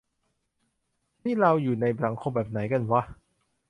นี่เราอยู่ในสังคมแบบไหนกันวะ